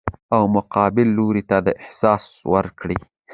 او مقابل لوري ته دا احساس ورکړي